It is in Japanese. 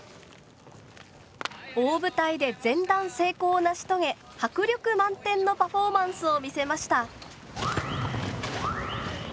大舞台で全段成功を成し遂げ迫力満点のパフォーマンスを見せました。